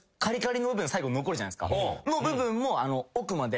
その部分も奥まで。